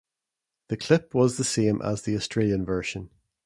The clip was the same as the Australian version.